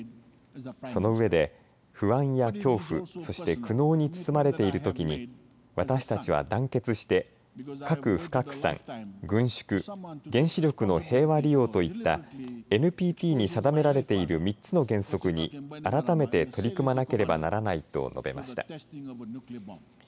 その上で、不安や恐怖そして苦悩に包まれているときに私たちは団結して核不拡散、軍縮原子力の平和利用といったＮＰＴに定められている３つの原則に改めて取り組まなければならないと述べました。